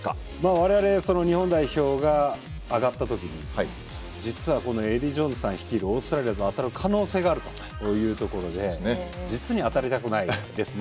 我々日本代表が上がったときに実はこのエディー・ジョーンズさん率いるオーストラリアと当たる可能性があるというところで実に当たりたくないですね。